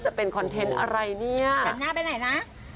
แปลงหน้าไปไหนนะ